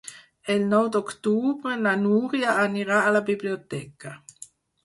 El nou d'octubre na Núria anirà a la biblioteca.